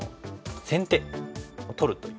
先手を取るという。